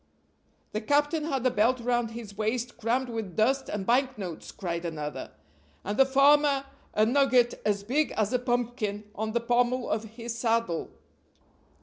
"The captain had a belt round his waist crammed with dust and bank notes," cried another, "and the farmer a nugget as big as a pumpkin on the pommel of his saddle."